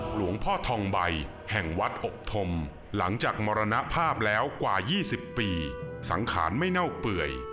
หลวงพ่อทองใบแห่งวัดอบธมหลังจากมรณภาพแล้วกว่า๒๐ปีสังขารไม่เน่าเปื่อย